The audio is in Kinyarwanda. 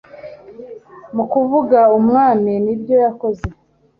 mu kuvuga umwami n'ibyo yakoze